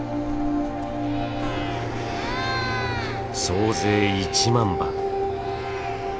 総勢１万羽。